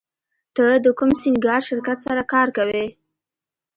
ته د کوم سینګار شرکت سره کار کوې